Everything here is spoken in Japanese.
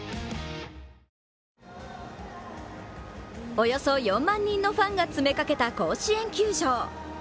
およそ４万人のファンが詰めかけた甲子園球場。